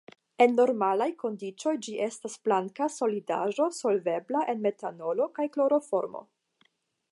En normalaj kondiĉoj ĝi estas blanka solidaĵo solvebla en metanolo kaj kloroformo.